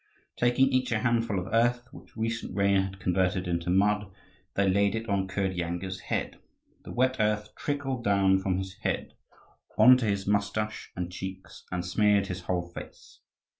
Taking each a handful of earth, which recent rain had converted into mud, they laid it on Kirdyanga's head. The wet earth trickled down from his head on to his moustache and cheeks and smeared his whole face.